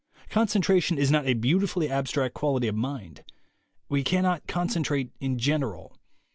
Concen tration is not a beautifully abstract quality of mind. yVe cannot concentrate in general.